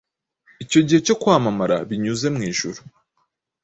Igihe cyo kwamamara binyuze mu Ijuru